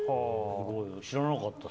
知らなかった。